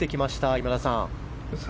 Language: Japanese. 今田さん。